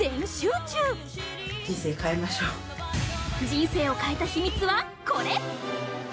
人生を変えた秘密はこれ！